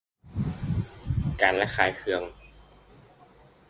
การระคายเคือง